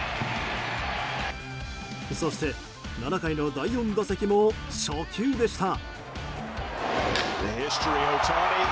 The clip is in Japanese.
そして７回の第４打席も初球でした。